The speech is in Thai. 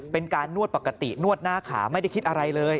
เป็นการนวดปกตินวดหน้าขาไม่ได้คิดอะไรเลย